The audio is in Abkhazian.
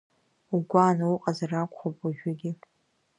Угәааны уҟазар акәхап уажәыгьы.